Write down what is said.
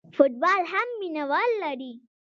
فوټبال هم مینه وال لري.